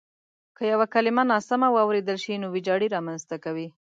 که یوه کلیمه ناسمه واورېدل شي نو وېجاړی رامنځته کوي.